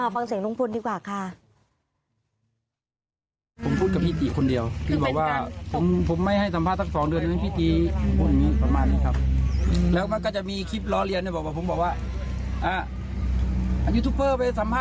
ฟังเสียงลุงพลดีกว่าค่ะ